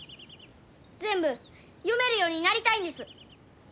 全部読めるようになりたいんです。